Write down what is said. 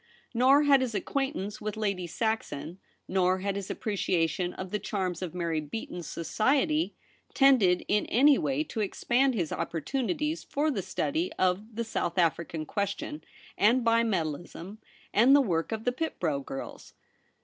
Nor had his acquaintance with Lady Saxon, nor had his appreciation of the charms of Mary Beaton's society tended in any w^ay to expand ROLFE BELLA RM IN. [91 his opportunities for the study of the South African question, and bi metalHsm and the work of the pit brow girls.